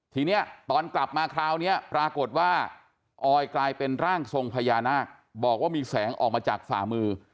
ทีนี้ตอนกลับมาคราวนี้ปรากฏว่าออยกลายเป็นร่างทรงพญานาคบอกว่ามีแสงออกมาจากฝ่ามือ